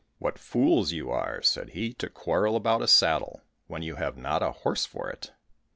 "What fools you are," said he, "to quarrel about a saddle, when you have not a horse for it!"